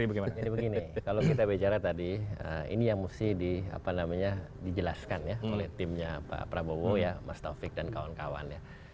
jadi begini kalau kita bicara tadi ini yang mesti dijelaskan ya oleh timnya pak prabowo ya mas sofiq dan kawan kawan ya